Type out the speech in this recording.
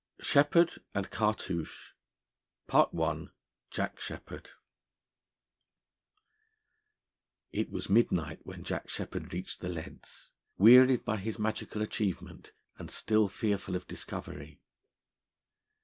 SHEPPARD AND CARTOUCHE I JACK SHEPPARD IT was midnight when Jack Sheppard reached the leads, wearied by his magical achievement, and still fearful of discovery.